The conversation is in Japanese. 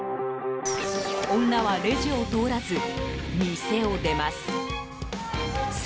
女はレジを通らず、店を出ます。